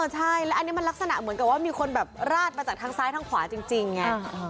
ใช่แล้วอันนี้มันลักษณะเหมือนกับว่ามีคนแบบราดมาจากทางซ้ายทางขวาจริงไง